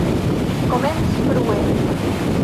Komenci frue!